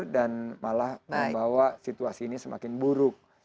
dan malah membawa situasi ini semakin buruk